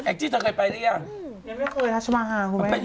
ไม่เคยรัฐชาวค่ากูไม่รู้